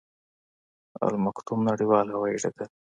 المکتوم نړیوال هوايي ډګر